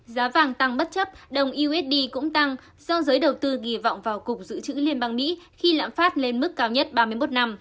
giá vàng tăng bất chấp đồng usd cũng tăng do giới đầu tư kỳ vọng vào cục dự trữ liên bang mỹ khi lãm phát lên mức cao nhất ba mươi một năm